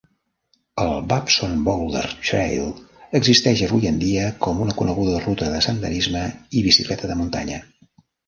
El Babson Boulder Trail existeix avui en dia com una coneguda ruta de senderisme i bicicleta de muntanya.